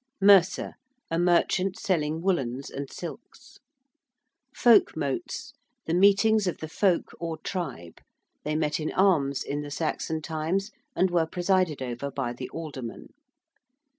~mercer~: a merchant selling woollens and silks. ~folkmotes~: the meetings of the folk or tribe: they met in arms in the Saxon times, and were presided over by the alderman.